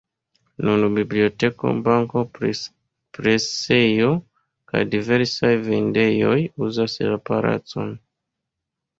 Nun biblioteko, banko, presejo kaj diversaj vendejoj uzas la palacon.